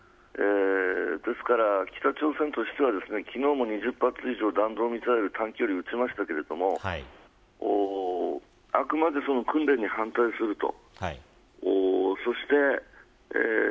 ですから、北朝鮮としては昨日も２０発以上短距離の弾道ミサイルを撃ちましたがあくまで訓練に反対すると。